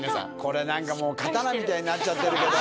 これ刀みたいになっちゃってるけど。